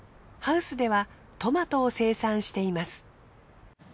ハウスではトマトを生産しています。